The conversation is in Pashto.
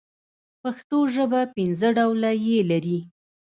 پښتو ژبه پنځه ډوله ي لري.